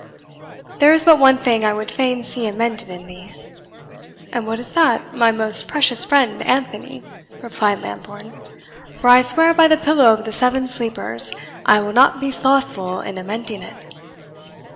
There is but one thing I would fain see amended in thee." "And what is that, my most precious friend Anthony?" replied Lambourne; "for I swear by the pillow of the Seven Sleepers I will not be slothful in amending it."